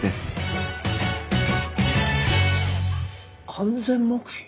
完全黙秘？